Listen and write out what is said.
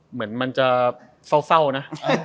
เหมือนมันจะเศร้านะ